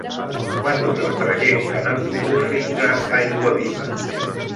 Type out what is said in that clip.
Quant dura el trajecte en autobús fins a Aiguaviva?